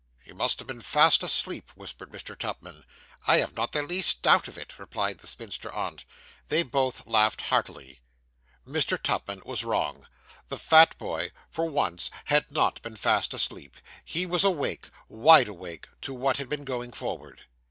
'He must have been fast asleep,' whispered Mr. Tupman. 'I have not the least doubt of it,' replied the spinster aunt. They both laughed heartily. Mr. Tupman was wrong. The fat boy, for once, had not been fast asleep. He was awake wide awake to what had been going forward.